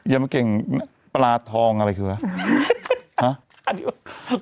อย่ามาเก่งปลาทองอะไรคือวะ